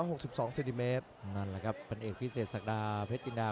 นั่นแหละครับเป็นเอกพิเศษสักดาเพชรจินดา